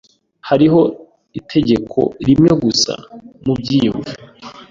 Hariho itegeko rimwe gusa mubyiyumvo,